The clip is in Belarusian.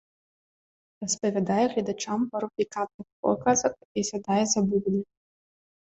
Распавядае гледачам пару пікантных показак і сядае за бубны.